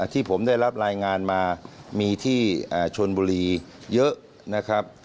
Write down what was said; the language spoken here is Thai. ที่ผมได้รับรายงานมามีที่ชนบุรีเยอะนะครับ